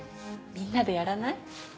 みんなでやらない？